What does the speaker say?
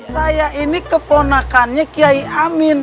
saya ini keponakannya kiai amin